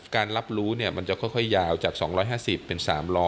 การรับรู้มันจะค่อยยาวจาก๒๕๐เป็น๓๐๐